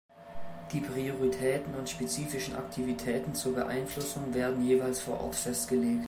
Die Prioritäten und spezifischen Aktivitäten zur Beeinflussung werden jeweils vor Ort festgelegt.